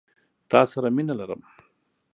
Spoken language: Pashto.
تا سره مينه لرم